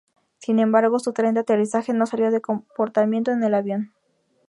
Sin embargo, su tren de aterrizaje no salió de su compartimiento en el avión.